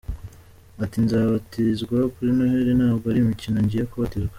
Ati “Nzabatizwa kuri Noheli, ntabwo ari imikino ngiye kubatizwa.